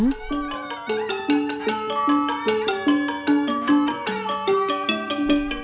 การตั้งวงบนของตัวนางจะอยู่ในกล้ามเนื้อด้านหน้าที่เรียกว่าเกลี่ยวหน้า